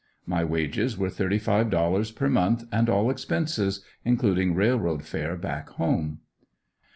My wages were thirty five dollars per month and all expenses, including railroad fare back home.